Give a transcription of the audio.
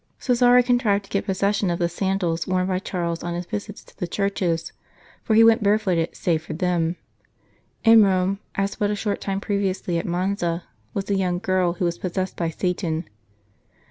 Cesare contrived to get possession of the sandals worn by Charles on his visits to the churches, for he went barefooted save for them. In Rome, as but a short time previously at Monza, was a young girl who was possessed by Satan.